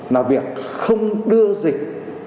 là việc không đưa dịch